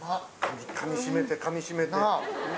かみしめてかみしめて。なぁ。